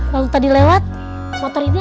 kalo tadi lewat motor ini ada